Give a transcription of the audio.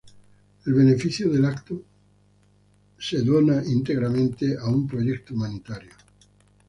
El beneficio del evento es donado íntegramente a un proyecto humanitario.